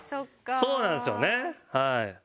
そうなんですよねはい。